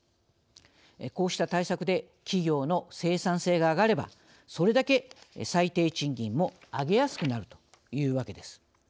こうした対策で企業の生産性が上がればそれだけ最低賃金も上げやすくなるというわけです。